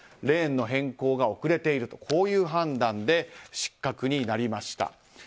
レーンの変更が遅れているとこういう判断で失格になりました。